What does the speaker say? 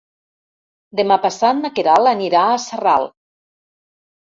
Demà passat na Queralt anirà a Sarral.